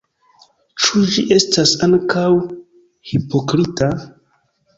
Ĉu ĝi estas ankaŭ hipokrita?